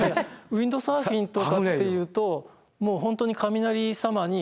ウインドサーフィンとかっていうと本当に雷様に